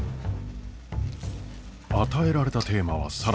与えられたテーマはサラダ。